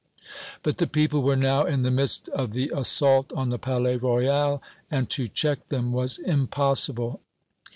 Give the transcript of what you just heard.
But the people were now in the midst of the assault on the Palais Royal, and to check them was impossible.